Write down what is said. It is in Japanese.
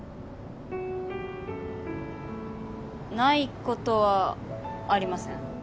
ないことはありません。